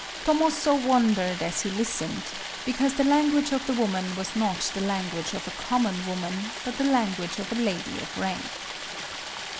Tomozō wondered as he listened,—because the language of the woman was not the language of a common woman, but the language of a lady of rank.